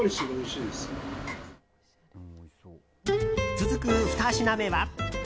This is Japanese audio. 続く、２品目は。